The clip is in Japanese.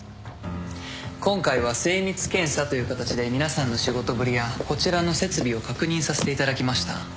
今回は精密検査という形で皆さんの仕事ぶりやこちらの設備を確認させていただきました。